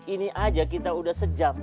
ini aja kita udah sejam